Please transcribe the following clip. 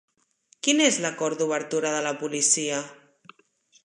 Quin és l'acord d'obertura de la policia?